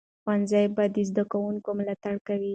ښوونځی به د زده کوونکو ملاتړ کوي.